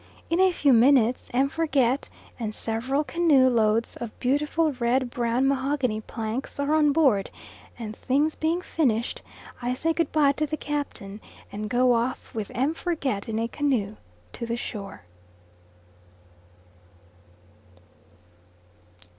In a few minutes M. Forget and several canoe loads of beautiful red brown mahogany planks are on board, and things being finished, I say good bye to the captain, and go off with M. Forget in a canoe, to the shore.